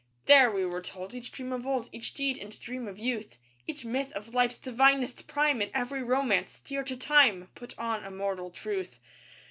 There, we were told, each dream of old, Each deed and dream of youth, Each myth of life's divinest prime, And every romance, dear to time, Put on immortal truth.